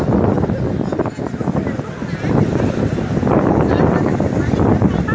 เฮ้ยผู้หญิงเหลือ